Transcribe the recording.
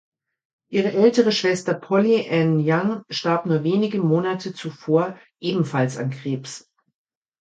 Ihre ältere Schwester Polly Ann Young starb nur wenige Monate zuvor ebenfalls an Krebs.